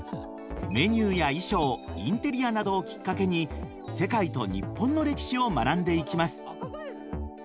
メニューや衣装インテリアなどをきっかけに世界と日本の歴史を学んでいきます。